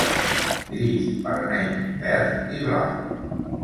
Gris, Vermell, Verd i Blau.